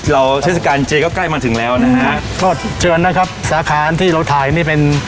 เทศกาลเจก็ใกล้มาถึงแล้วนะฮะก็เชิญนะครับสาขาที่เราถ่ายนี่เป็น